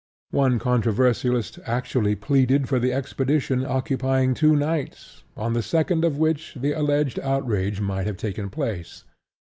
One controversialist actually pleaded for the expedition occupying two nights, on the second of which the alleged outrage might have taken place.